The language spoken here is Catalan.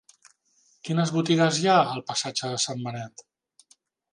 Quines botigues hi ha al passatge de Sant Benet?